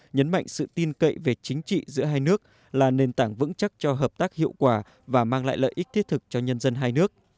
nhấn mạnh sự tin cậy về chính trị giữa hai nước là nền tảng vững chắc cho hợp tác hiệu quả và mang lại lợi ích thiết thực cho nhân dân hai nước